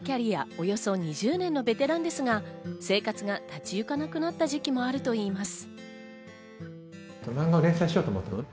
およそ２０年のベテランですが、生活が立ち行かなくなった時期もあるといいます。